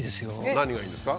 何がいいんですか？